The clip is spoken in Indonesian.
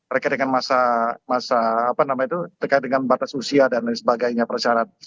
rekan dengan masa apa namanya itu terkait dengan batas usia dan lain sebagainya persyarat